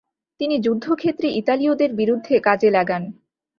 তিনি যুদ্ধক্ষেত্রে ইতালীয়দের বিরুদ্ধে কাজে লাগান।